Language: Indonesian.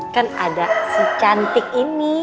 kan ada si cantik ini